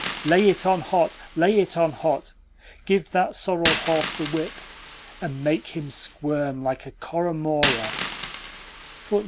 "Lay it on hot, lay it on hot! Give that sorrel horse the whip, and make him squirm like a koramora ."